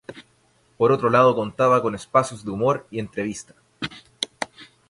Por otro lado contaba con espacios de humor y entrevista.